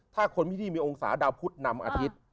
ถ้าคนพิธีมีองศาดาวพุทธนำอาทิตย์